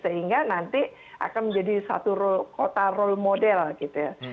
sehingga nanti akan menjadi satu kota role model gitu ya